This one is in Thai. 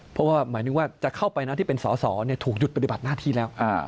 เพราะว่าหมายถึงว่าจะเข้าไปนะที่เป็นสอสอถูกหยุดปฏิบัติหน้าที่แล้ว